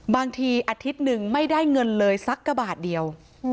บางทีอาทิตย์หนึ่งไม่ได้เงินเลยสักกระบาทเดียว